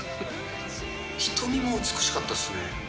瞳も美しかったですね。